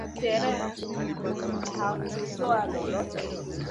Terri hakutoa lolote